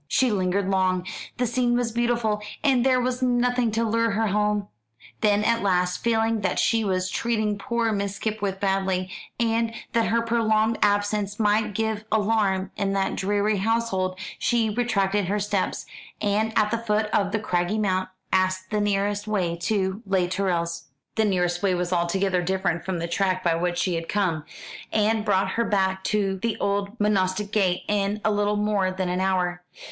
She lingered long. The scene was beautiful, and there was nothing to lure her home. Then, at last, feeling that she was treating poor Miss Skipwith badly, and that her prolonged absence might give alarm in that dreary household, she retraced her steps, and at the foot of the craggy mount asked the nearest way to Les Tourelles. The nearest way was altogether different from the track by which she had come, and brought her back to the old monastic gate in a little more than an hour.